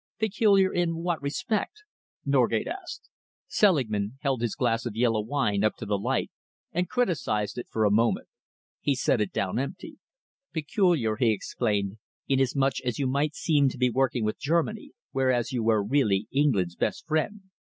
"Peculiar in what respect?" Norgate asked. Selingman held his glass of yellow wine up to the light and criticised it for a moment. He set it down empty. "Peculiar," he explained, "inasmuch as you might seem to be working with Germany, whereas you were really England's best friend.